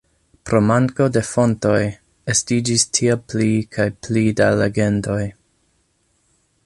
Pro manko de fontoj, estiĝis tiel pli kaj pli da legendoj.